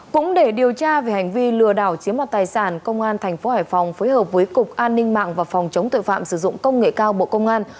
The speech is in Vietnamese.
cũng để điều tra về hành vi lừa đảo chiếm mặt tài sản công an tp hải phòng phối hợp với cục an ninh mạng và phòng chống tội phạm sử dụng công nghệ cao bộ công an